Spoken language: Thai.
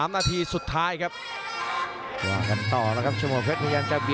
๓นาทีสุดท้ายครับ